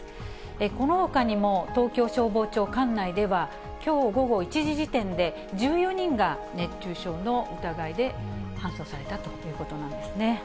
このほかにも東京消防庁管内では、きょう午後１時時点で、１４人が熱中症の疑いで搬送されたということなんですね。